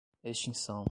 extinção